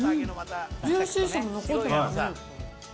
ジューシーさが残ってますね。